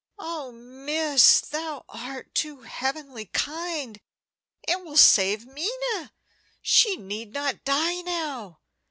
"Oh, miss, thou art too heavenly kind! It will save Minna; she need not die now."